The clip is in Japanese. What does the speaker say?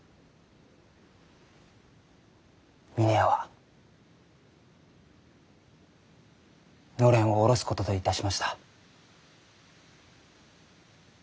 峰屋はのれんを下ろすことといたしました。